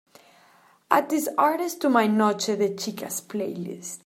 add this artist to my Noche de chicas playlist